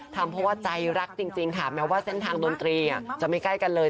ทำเพราะว่าใจรักจริงค่ะแม้ว่าเส้นทางดนตรีจะไม่ใกล้กันเลย